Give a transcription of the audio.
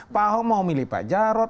pak ahok mau pilih pak jarot